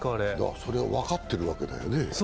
それを分かっているわけだよね。